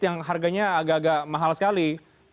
yang harganya agak agak mahal sekali